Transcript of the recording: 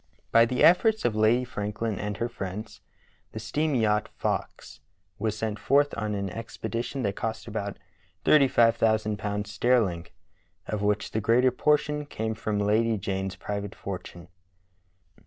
B}^ the efforts of Lady Franklin and her friends the steam yacht Fox was sent forth on an ex pedition that cost about thirty five thousand pounds sterling, of which the greater portion came from Lady Jane's private fortune.